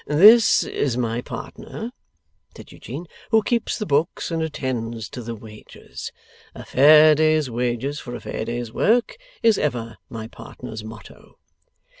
'This is my partner,' said Eugene, 'who keeps the books and attends to the wages. A fair day's wages for a fair day's work is ever my partner's motto.